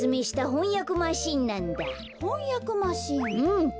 ほんやくマシーンなんだ。